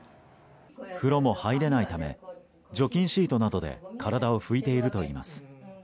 風呂も入れないため除菌シートなどで体を拭いているといいます。